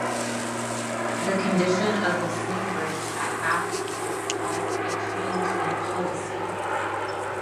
The condition of the swing bridge at Bathpool caused a change in policy.